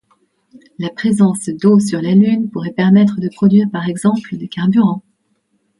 La présence d’eau sur la Lune pourrait permettre de produire par exemple des carburants.